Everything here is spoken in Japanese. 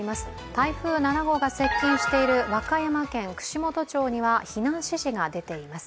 台風７号が接近している和歌山県串本町には避難指示が出ています。